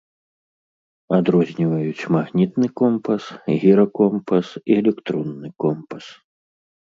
Адрозніваюць магнітны компас, гіракомпас і электронны компас.